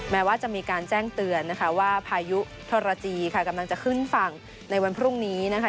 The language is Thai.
แม้ว่าจะมีการแจ้งเตือนนะคะว่าพายุทรจีค่ะกำลังจะขึ้นฝั่งในวันพรุ่งนี้นะคะ